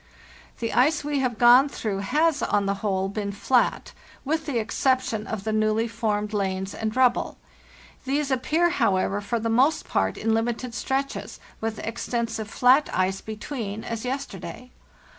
"The ice we have gone through has, on the whole, been flat, with the exception of the newly formed lanes and rubble. These appear, however, for the most part in limited stretches, with extensive flat ice between, as yes terday.